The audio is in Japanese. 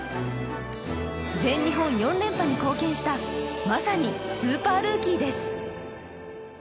全日本４連覇に貢献したまさにスーパールーキーです。